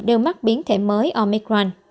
đưa mắt biến thể mới omicron